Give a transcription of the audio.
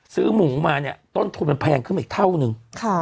ซื้อหมูมาเนี่ยต้นทุนมันแพงขึ้นมาอีกเท่านึง